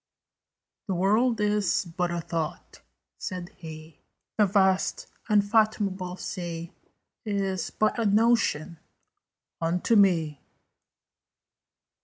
'"] "The world is but a Thought," said he: "The vast unfathomable sea Is but a Notion unto me."